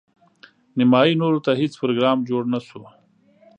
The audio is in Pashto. نیمايي نورو ته هیڅ پروګرام جوړ نه شو.